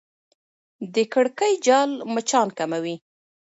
د کړکۍ جال مچان کموي.